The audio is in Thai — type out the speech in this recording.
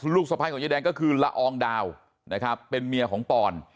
ลูกสะพ้ายของยายแดงก็คือละอองดาวนะครับเป็นเมียของปอน